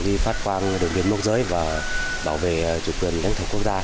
đi phát quang đồn biên mốc giới và bảo vệ chủ quyền đánh thức quốc gia